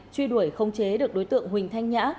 truy đuổi không chế được đối tượng huỳnh thanh nhã